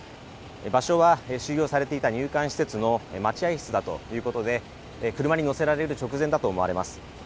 場所は収容されていた入管施設の待合室だということで車に乗せられる直前だと思われます。